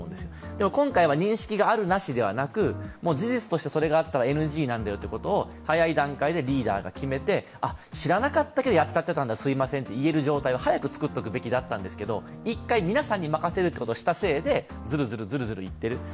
でも今回は認識があるなしではなく、事実としてそれがあったらＮＧだよということを早い段階でリーダーが決め、知らなかったけど、やっちゃってたんだ、すみませんと言える状況を早く作っておくべきだったんですが、１回、皆さんに任せることをしたためにずるずるいっている。